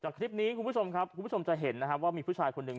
คลิปนี้คุณผู้ชมครับคุณผู้ชมจะเห็นนะครับว่ามีผู้ชายคนหนึ่ง